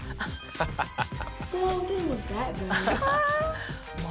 ハハハハ！